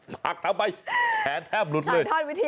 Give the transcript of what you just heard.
หักท้าไปแผงแทบรุดเลย